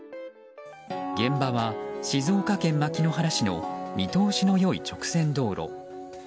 現場は静岡県牧之原市の見通しの良い直線道路。